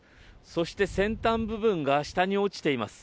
そして先端部分が下に落ちています。